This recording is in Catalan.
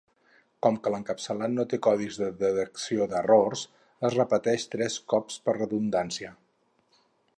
Com que l'encapçalat no té codis de detecció d'errors, es repeteix tres cops per redundància.